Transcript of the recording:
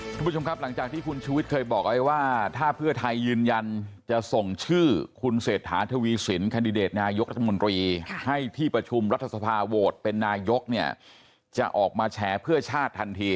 คุณผู้ชมครับหลังจากที่คุณชูวิทย์เคยบอกไว้ว่าถ้าเพื่อไทยยืนยันจะส่งชื่อคุณเศรษฐาทวีสินแคนดิเดตนายกรัฐมนตรีให้ที่ประชุมรัฐสภาโหวตเป็นนายกเนี่ยจะออกมาแฉเพื่อชาติทันที